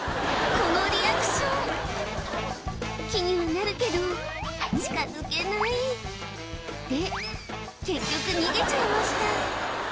このリアクション気にはなるけど近づけないで結局逃げちゃいました